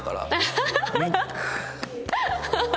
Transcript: ハハハハ！